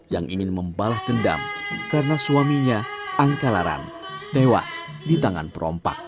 yang ingin membalas dendam karena suaminya angkalaran tewas di tangan perompak